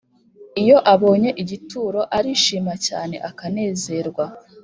iyo abonye igituro, arishima cyane akanezerwa